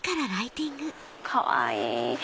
かわいい！